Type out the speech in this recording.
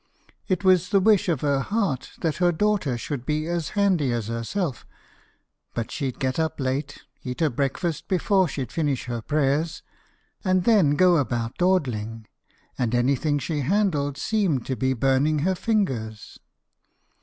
It was the wish of her heart that her daughter should be as handy as herself; but she'd get up late, eat her breakfast before she'd finish her prayers, and then go about dawdling, and anything she handled seemed to be burning her fingers.